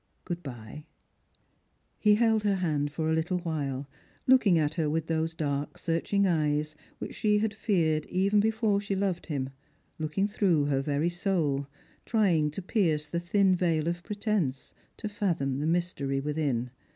Good bye." He held her hand for a little while, looking at her with those dark searching eyes which she had feared even before she loved him; looking through her very soul, trying to pierce the thin veil of pretence, to fathom the mystery within.